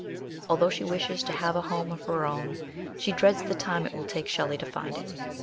Although she wishes to have a home of her own, she dreads the time it will take Shelley to find it.